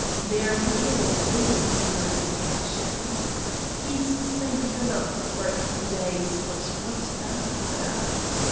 There he is awaiting your instructions. He's safe enough for a few days, but what after?"